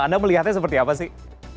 anda melihatnya seperti apa sih